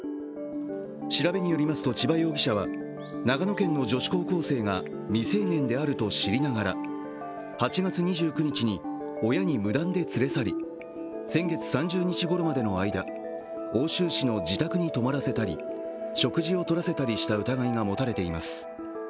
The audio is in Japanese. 調べによりますと千葉容疑者は、長野県の女子高校生が未成年であると知りながら、８月２９日に親に無断で連れ去り、先月３０日ごろまでの間奥州市の自宅に泊まらせたり、食事をとらせたりした疑いが持たれています。